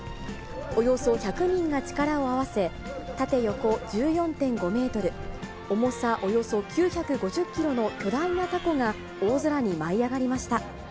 およそ１００人が力を合わせ、縦・横１４．５メートル、重さおよそ９５０キロの巨大なたこが、大空に舞い上がりました。